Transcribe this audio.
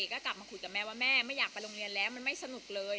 ก็กลับมาคุยกับแม่ว่าแม่ไม่อยากไปโรงเรียนแล้วมันไม่สนุกเลย